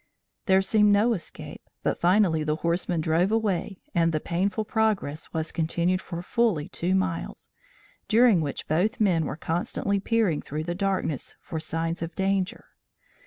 There seemed no escape but finally the horseman drove away and the painful progress was continued for fully two miles, during which both men were constantly peering through the darkness for signs of danger.